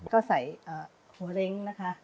ก็ใส่หัวเล้งนะคะ